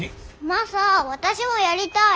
マサ私もやりたい。